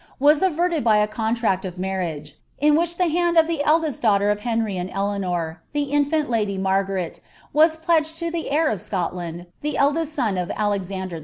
was averted by a contract of marriage; in which the liand of ■Idcst daughter of Henry and Eleanor, the infant lady Margaret, was 'arfd to the heir of Scotland, the eldest son of Alexander 11.'